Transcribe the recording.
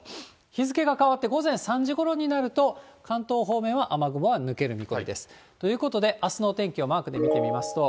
日付が変わって午前３時ごろになると、関東方面は雨雲は抜ける見込みです。ということで、あすのお天気をマークで見てみますと。